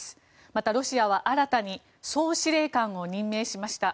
また、ロシアは新たに総司令官を任命しました。